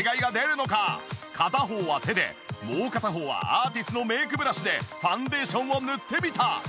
片方は手でもう片方はアーティスのメイクブラシでファンデーションを塗ってみた！